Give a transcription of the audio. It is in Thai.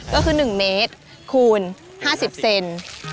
ก็คือ๑เมตรคูณ๕๐เซน